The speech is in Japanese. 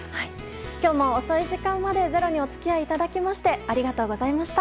今日も遅い時間まで「ｚｅｒｏ」にお付き合いいただきましてありがとうございました。